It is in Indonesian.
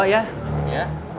bungkusin nasinya dua ya